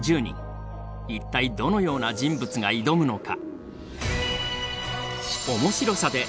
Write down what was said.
一体どのような人物が挑むのか。